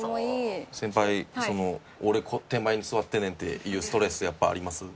先輩俺手前に座ってんねんっていうストレスやっぱあります？